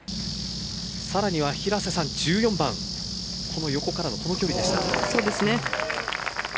さらには平瀬さん１４番、この横からの距離でした。